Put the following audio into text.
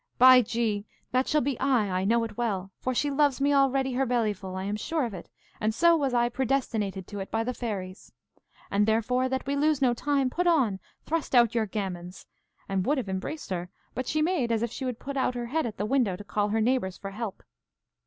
By G , that shall be I, I know it well; for she loves me already her bellyful, I am sure of it, and so was I predestinated to it by the fairies. And therefore, that we lose no time, put on, thrust out your gammons! and would have embraced her, but she made as if she would put out her head at the window to call her neighbours for help.